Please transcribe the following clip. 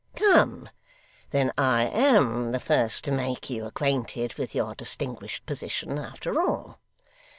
Come; then I AM the first to make you acquainted with your distinguished position, after all.